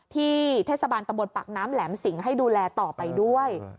เทศบาลตำบลปากน้ำแหลมสิงให้ดูแลต่อไปด้วย